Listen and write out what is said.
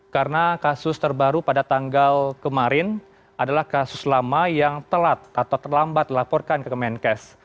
karena kasus terbaru pada tanggal kemarin adalah kasus lama yang telat atau terlambat dilaporkan ke kemenkes